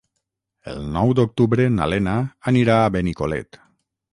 El nou d'octubre na Lena anirà a Benicolet.